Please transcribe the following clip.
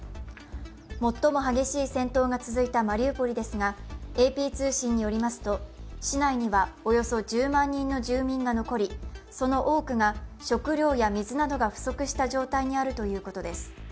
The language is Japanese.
最も激しい戦闘が続いたマリウポリですがＡＰ通信によりますと、市内にはおよそ１０万人の住人が残り、その多くが食料や水などが不足した状態にあるということです。